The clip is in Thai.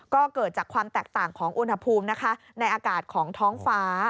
ก็เกิดจากความแตกต่างของอุณหภูมินะคะในอากาศของท้องฟ้า